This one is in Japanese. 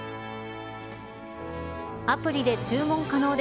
アプリで注文可能で